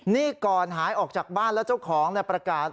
นี่ก่อนหายออกจากบ้านแล้วเจ้าของประกาศ